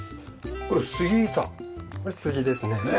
これ杉ですね。